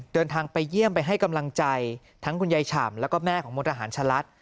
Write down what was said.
เดินทางไปเยี่ยมไปให้กำลังใจทั้งคุณยายฉ่ำแล้วก็แม่ของมณฑหารชะลัด